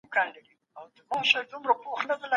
لويه جرګه به پر ملي مسايلو بحثونه کوي.